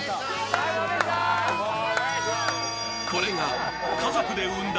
これが家族で生んだ